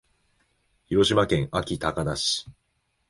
広島県安芸高田市